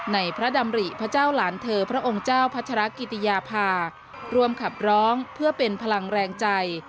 ในพระดำริพระเจ้าหลานเธอพระองค์เจ้าพัชรกิติยาภารวมขับร้องเพื่อเป็นพลังแรงใจ